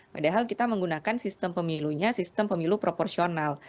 padahal kita menggunakan sistem pemilunya sistem pemilu proporsional